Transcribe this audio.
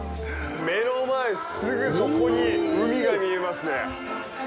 目の前、すぐそこに海が見えますね。